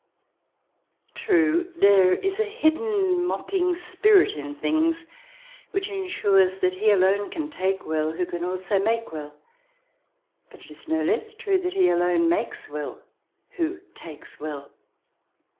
True, there is a hidden mocking spirit in things which ensures that he alone can take well who can also make well, but it is no less true that he alone makes well who takes well.